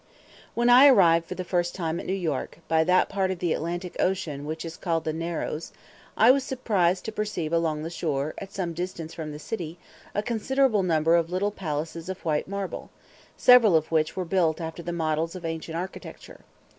When I arrived for the first time at New York, by that part of the Atlantic Ocean which is called the Narrows, I was surprised to perceive along the shore, at some distance from the city, a considerable number of little palaces of white marble, several of which were built after the models of ancient architecture.